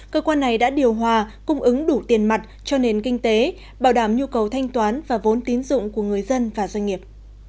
cơ quan này đã điều hòa cung ứng đủ tiền mặt cho nền kinh tế bảo đảm nhu cầu thanh toán và vốn tín dụng của người dân và doanh nghiệp